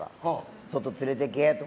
外、連れてけとか。